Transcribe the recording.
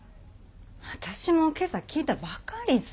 私も今朝聞いたばかりさ。